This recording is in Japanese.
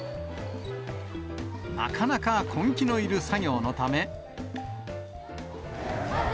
なかなか根気のいる作業のため。